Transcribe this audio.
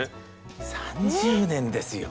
３０年ですよ！